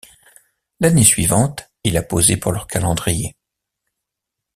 L'année suivante, il a posé pour leur calendrier.